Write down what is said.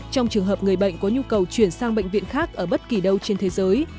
trong trường hợp người bệnh có nhu cầu chuyển sang bệnh viện khác ở bất kỳ đâu trên thế giới